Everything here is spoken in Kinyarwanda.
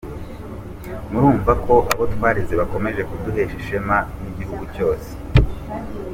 Murumva ko abo twareze bakomeje kuduhesha ishema n’igihugu cyose.